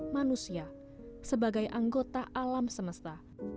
manusia sebagai anggota alam semesta